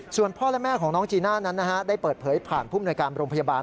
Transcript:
ส่วนพ่อและแม่ของน้องจีน่านั้นได้เปิดเผยผ่านผู้มนวยการโรงพยาบาล